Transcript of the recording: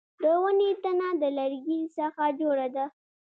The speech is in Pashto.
د ونې تنه د لرګي څخه جوړه ده